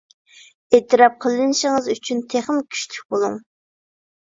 ئېتىراپ قىلىنىشىڭىز ئۈچۈن تېخىمۇ كۈچلۈك بولۇڭ!